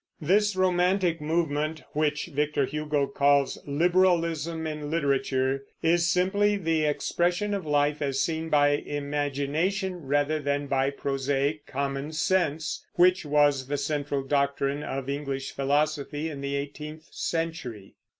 This romantic movement which Victor Hugo calls "liberalism in literature" is simply the expression of life as seen by imagination, rather than by prosaic "common sense," which was the central doctrine of English philosophy in the eighteenth century.